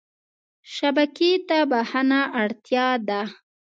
شبکې ته بښنه اړتیا ده.